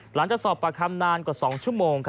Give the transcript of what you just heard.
หลังจากสอบปากคำนานกว่า๒ชั่วโมงครับ